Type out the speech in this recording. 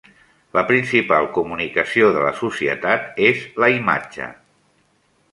La principal comunicació de la societat és la imatge.